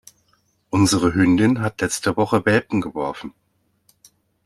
Unsere Hündin hat letzte Woche Welpen geworfen.